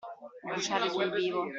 Bruciare sul vivo.